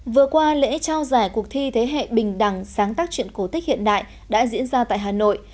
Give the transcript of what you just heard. vừa qua lễ trao giải cuộc thi thế hệ bình đẳng sáng tác chuyện cổ tích hiện đại đã diễn ra tại hà nội